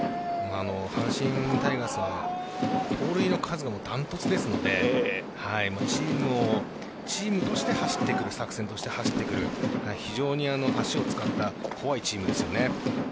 阪神タイガースは盗塁の数がダントツですのでチームとして作戦として走ってくる、非常に足を使った怖いチームですよね。